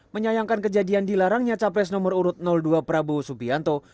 menyayangkan kejadian dilarangnya capres nomor urut dua prabowo subianto